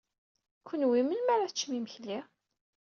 Kenwi melmi ara teččem imekli?